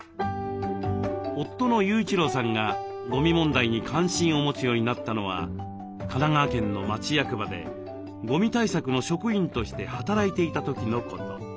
夫の雄一郎さんがゴミ問題に関心を持つようになったのは神奈川県の町役場でゴミ対策の職員として働いていた時のこと。